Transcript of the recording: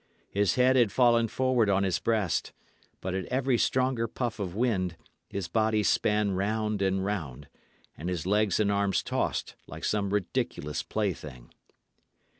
His head had fallen forward on his breast; but at every stronger puff of wind his body span round and round, and his legs and arms tossed, like some ridiculous plaything.